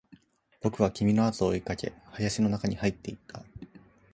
僕は君のあとを追いかけ、林の中に入っていった